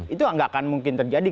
itu nggak akan mungkin terjadi